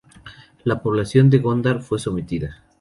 La población de Gondar fue sometida.